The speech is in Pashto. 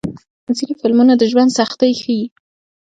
ځینې فلمونه د ژوند سختۍ ښيي.